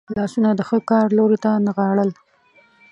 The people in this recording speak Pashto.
لاسونه د ښه کار لوري ته نغاړل.